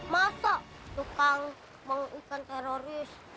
masa tukang mau ikan teroris